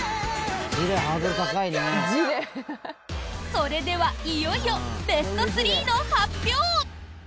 それではいよいよベスト３の発表！